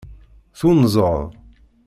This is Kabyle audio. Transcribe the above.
Tunzeḍ.